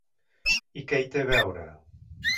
I què hi té a veure?